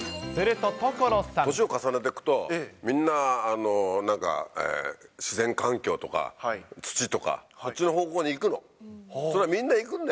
年を重ねていくと、みんな、なんか、自然環境とか土とか、そっちの方向に行くの。